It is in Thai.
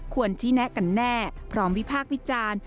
ชี้แนะกันแน่พร้อมวิพากษ์วิจารณ์